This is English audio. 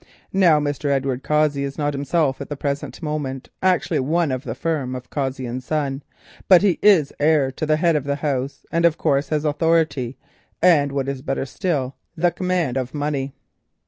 Now Mr. Edward Cossey is not himself at the present moment actually one of the firm of Cossey and Son, but he is the heir of the head of the house, and of course has authority, and, what is better still, the command of money."